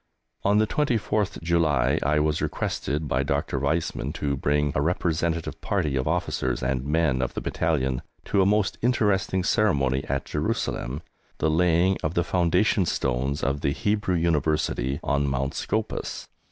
On the 24th July I was requested by Dr. Weizmann to bring a representative party of officers and men of the battalion to a most interesting ceremony at Jerusalem the laying of the foundation stones of the Hebrew University On Mount Scopus.